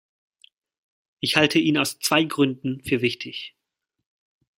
Ich halte ihn aus zwei Gründen für wichtig.